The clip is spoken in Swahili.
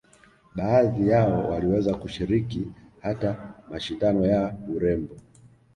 Baadhi yao waliweza kushiriki hata mashindano ya urembo